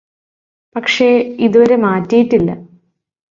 പക്ഷെ ഇതുവരെ മാറ്റിയിട്ടില്ല